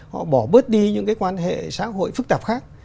họ bỏ bớt đi những cái quan hệ xã hội phức tạp khác